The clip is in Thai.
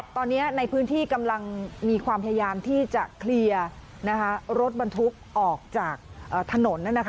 ตอนนี้ในพื้นที่กำลังมีความพยายามที่จะเคลียร์รถบรรทุกออกจากถนน